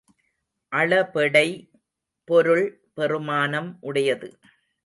அளபெடை பொருள் பெறுமானம் உடையது.